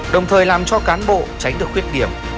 đồng thời làm cho cán bộ tránh được khuyết điểm